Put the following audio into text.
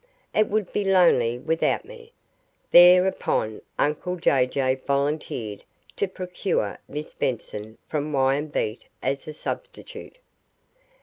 It would be lonely without me. Thereupon uncle Jay Jay volunteered to procure Miss Benson from Wyambeet as a substitute.